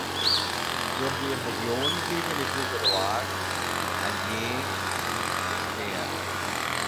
Durch die Region fließen die Flüsse Loire, Allier und Cher.